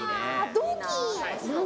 同期。